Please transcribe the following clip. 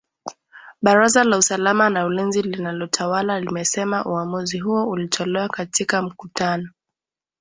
Baraza la usalama na ulinzi linalotawala limesema uamuzi huo ulitolewa katika mkutano